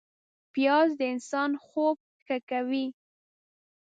پیاز د انسان خوب ښه کوي